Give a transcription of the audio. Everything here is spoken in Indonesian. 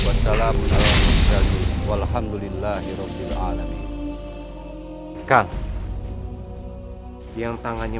wassalamualaikum warahmatullahi wabarakatuh alhamdulillahirobbil alamin kan yang tangannya